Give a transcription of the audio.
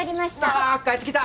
わ帰ってきた！